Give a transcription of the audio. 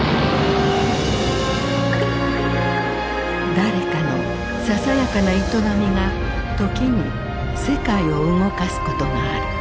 誰かのささやかな営みが時に世界を動かすことがある。